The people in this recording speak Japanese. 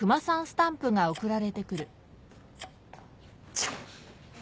ちょっ。